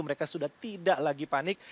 mereka sudah tidak lagi panik